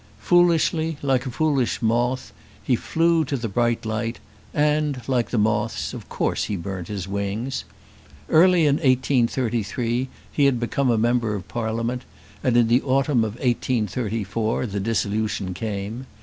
Foolishly, like a foolish moth, he flew to the bright light, and, like the moths, of course he burnt his wings. Early in 1833 he had become a member of Parliament, and in the autumn of 1834 the dissolution came.